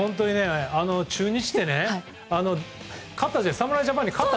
中日が侍ジャパンに勝った。